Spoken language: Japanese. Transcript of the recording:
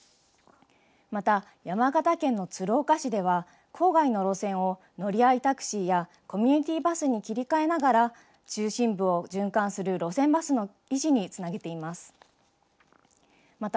また、山形県の鶴岡市では、郊外の路線を乗り合いタクシーやコミュニティーバスに切り替えながら、中心部を循環する路線バスの維持につなげています。